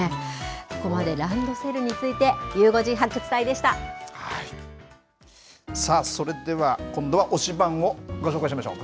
ここまでランドセルについてさあ、それでは今度は推しバン！をご紹介しましょう。